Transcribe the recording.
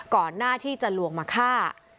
ก่อนหน้าที่จะลวงมาฆ่า